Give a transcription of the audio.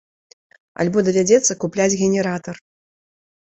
Альбо давядзецца купляць генератар.